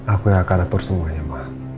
aku yang akan atur semuanya mak